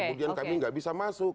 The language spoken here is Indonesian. kemudian kami nggak bisa masuk